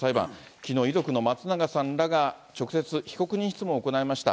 きのう、遺族の松永さんらが直接、被告人質問を行いました。